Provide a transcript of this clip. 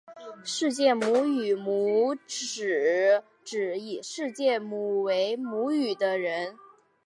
世界语母语者指以世界语为母语的人。